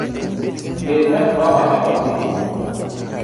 Bed ng’at mawacho to timo